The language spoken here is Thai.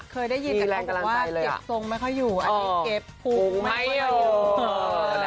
คนแดวคลิปนี้บอกว่า